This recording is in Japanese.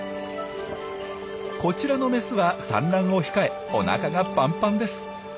こちらのメスは産卵を控えおなかがパンパンです。